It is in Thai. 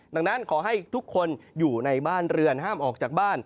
ดังนั้นขอให้ทุกคนอยู่ในบ้านเรือนห้ามออกจากบ้าน